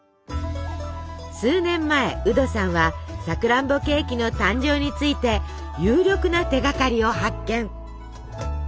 数年前ウドさんはさくらんぼケーキの誕生について有力な手がかりを発見！